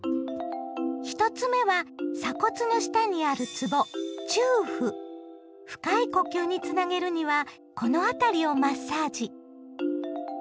１つ目は鎖骨の下にあるつぼ深い呼吸につなげるにはこの辺りをマッサージ。